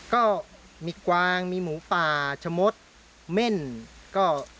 ก็มีกวางมีหมูป่าชะมดเม่นก็